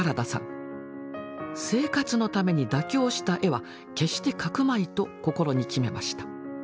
生活のために妥協した絵は決して描くまいと心に決めました。